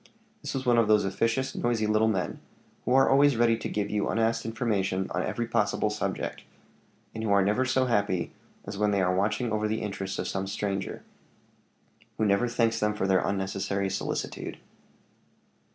This was one of those officious, noisy little men, who are always ready to give you unasked information on every possible subject, and who are never so happy as when they are watching over the interest of some stranger, who never thanks them for their unnecessary solicitude.